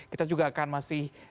kita juga akan masih